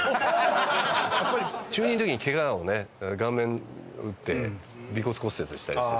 中２の時にケガをね顔面打って鼻骨骨折したりして。